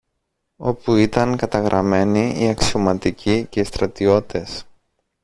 όπου ήταν καταγραμμένοι οι αξιωματικοί και οι στρατιώτες.